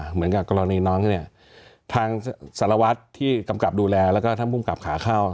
เหมือนกับกรณีน้องเขาเนี่ยทางสารวัตรที่กำกับดูแลแล้วก็ท่านภูมิกับขาเข้า